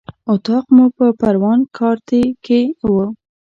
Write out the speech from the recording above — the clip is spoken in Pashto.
اطاق مو په پروان کارته کې و.